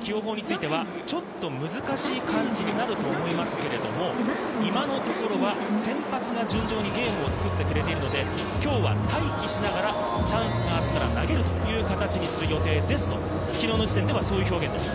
起用法についてはちょっと難しい感じになると思いますけれども、今のところは先発が順調にゲームを作ってくれているので、今日は待機しながらチャンスがあったら投げるという形にする予定ですと昨日の時点ではそういう表現でした。